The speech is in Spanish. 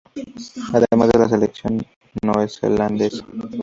Además de la selección neozelandesa.